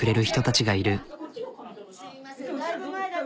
・すいません